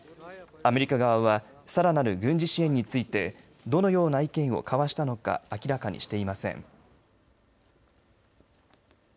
アメリカ側はさらなる軍事支援についてどのような意見を交わしたのか明らかにしていません。